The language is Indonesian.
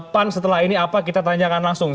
pan setelah ini apa kita tanyakan langsung